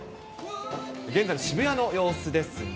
現在の渋谷の様子ですね。